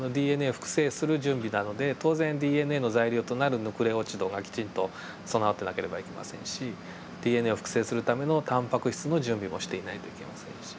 ＤＮＡを複製する準備なので当然ＤＮＡの材料となるヌクレオチドがきちんと備わってなければいけませんしＤＮＡを複製するためのタンパク質の準備もしていないといけませんし。